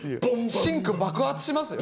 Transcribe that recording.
シンク爆発しますよ。